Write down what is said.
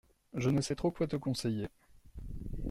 Je ne sais trop quoi te conseiller.